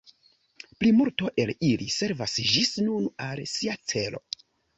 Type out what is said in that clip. Plimulto el ili servas ĝis nun al sia celo.